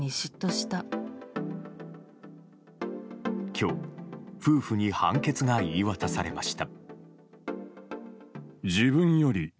今日、夫婦に判決が言い渡されました。